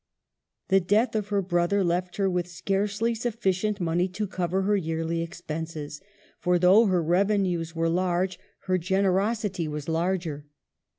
The death of her brother left her with scarcely sufficient money to cover her yearly expenses ; for though her revenues were large, her gener osity was larger.